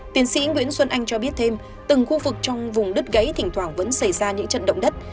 tiến sĩ nguyễn xuân anh cho biết thêm từng khu vực trong vùng đất gãy thỉnh thoảng vẫn xảy ra những trận động đất